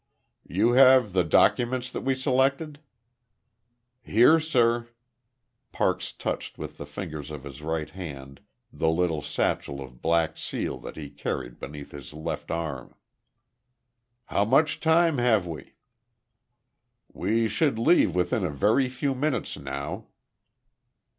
"You have the documents that we selected?" "Here, sir." Parks touched with the fingers of his right hand the little satchel of black seal that he carried beneath his left arm. "How much time have we?" "We should leave within a very few minutes now."